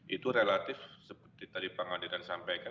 itu relatif seperti tadi pengadilan sampaikan